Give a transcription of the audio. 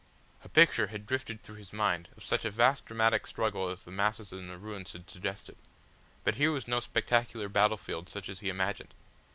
A picture had drifted through his mind of such a vast dramatic struggle as the masses in the ruins had suggested. But here was no spectacular battle field such as he imagined.